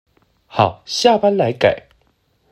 好，下班來改